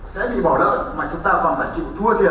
sẽ bị bỏ lỡ mà chúng ta còn phải chịu thua thiệt